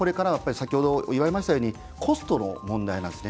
先ほども言われましたようにコストの問題です。